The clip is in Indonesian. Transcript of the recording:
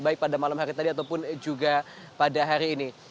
baik pada malam hari tadi ataupun juga pada hari ini